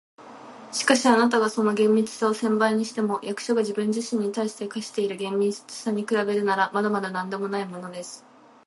「しかし、あなたがその厳密さを千倍にしても、役所が自分自身に対して課している厳密さに比べるなら、まだまだなんでもないものです。